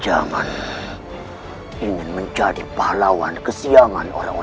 aku tidak salah dengar